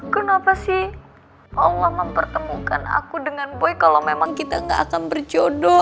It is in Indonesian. kenapa sih allah mempertemukan aku dengan baik kalau memang kita gak akan berjodoh